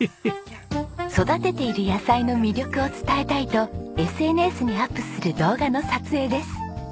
育てている野菜の魅力を伝えたいとＳＮＳにアップする動画の撮影です。